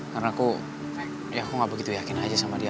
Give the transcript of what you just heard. karena aku ya aku gak begitu yakin aja sama dia